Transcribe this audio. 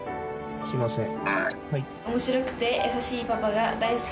すみません。